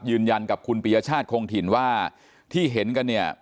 ยืนยันกับคุณปียชาติคงถิ่นว่าที่เห็นกันเนี่ย